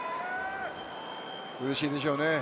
うれしいでしょうね。